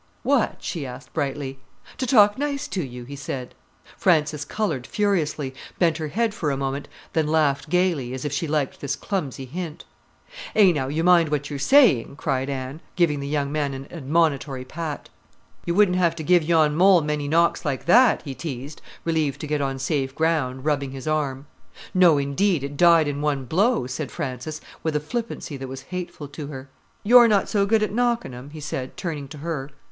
"What?" she asked brightly. "To talk nice to you," he said. Frances coloured furiously, bent her head for a moment, then laughed gaily, as if she liked this clumsy hint. "Eh now, you mind what you're saying," cried Anne, giving the young man an admonitory pat. "You wouldn't have to give yon mole many knocks like that," he teased, relieved to get on safe ground, rubbing his arm. "No indeed, it died in one blow," said Frances, with a flippancy that was hateful to her. "You're not so good at knockin' 'em?" he said, turning to her.